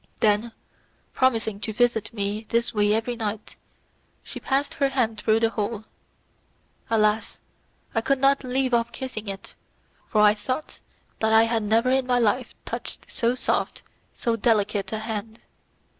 Then, promising to visit me in this way every night, she passed her hand through the hole. Alas! I could not leave off kissing it, for I thought that I had never in my life touched so soft, so delicate a hand.